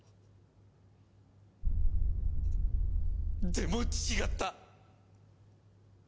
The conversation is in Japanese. でも違った。